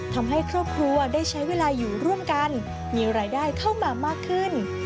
ทำให้ครอบครัวได้ใช้เวลาอยู่ร่วมกันมีรายได้เข้ามามากขึ้น